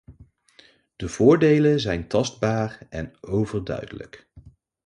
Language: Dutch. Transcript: De voordelen zijn tastbaar en overduidelijk.